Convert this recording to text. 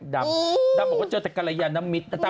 ดับว่าเจ้าจักรยานมิตร